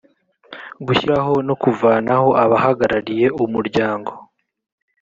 gushyiraho no kuvanaho abahagarariye umuryango